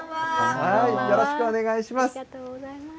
よろしくお願いします。